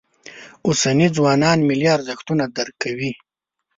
اوسني ځوانان ملي ارزښتونه درک کوي.